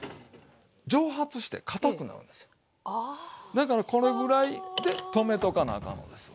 だからこれぐらいで止めとかなあかんのですわ。